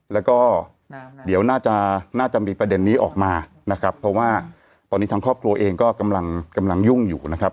แล้วก็เดี๋ยวน่าจะน่าจะมีประเด็นนี้ออกมานะครับเพราะว่าตอนนี้ทางครอบครัวเองก็กำลังยุ่งอยู่นะครับ